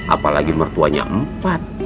apalagi mertuanya empat